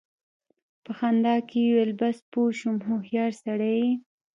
په خندا کې يې وويل: بس! پوه شوم، هوښيار سړی يې!